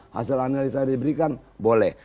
hasil analisa yang diberikan boleh